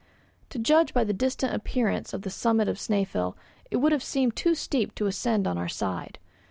To judge by the distant appearance of the summit of Snæfell, it would have seemed too steep to ascend on our side.